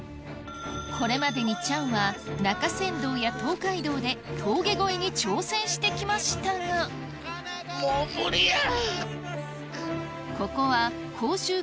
これまでにチャンは中山道や東海道で峠越えに挑戦してきましたがもう無理や！